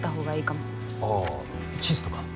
あぁ地図とか？